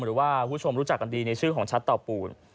หรือว่าคุณผู้ชมรู้จักกันดีในชื่อของชัดเต่าปูน